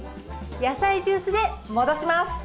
野菜ジュースで戻します。